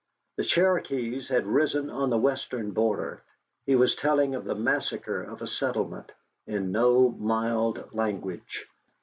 The Cherokees had risen on the western border. He was telling of the massacre of a settlement, in no mild language.